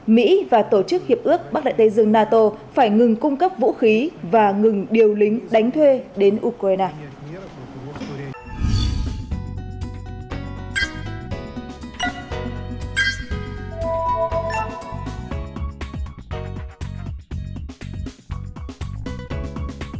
mỹ và tổ chức hiệp ước bắc đại tây dương nato phải ngừng cung cấp vũ khí và ngừng điều lính đánh thuê đến ukraine